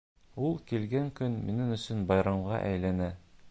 Ул килгән көн минең өсөн байрамға әйләнә.